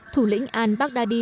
thủ lĩnh al baghdadi